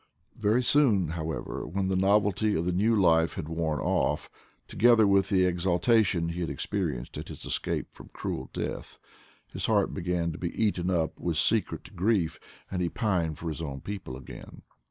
Very soon, however, when the novelty of the new life had worn off, together with the exultation he had experienced at his escape from cruel death, his heart began to be eaten up with secret grief, and he pined for his 104 IDLE DAYS IN PATAGONIA own people again.